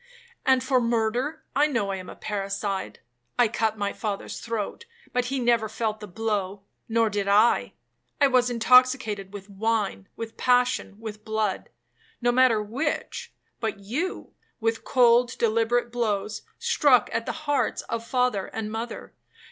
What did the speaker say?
And for murder, I know I am a parricide. I cut my father's throat, but he never felt the blow,—nor did I,—I was intoxicated with wine, with passion, with blood,—no matter which; but you, with cold deliberate blows, struck at the hearts of father and mother.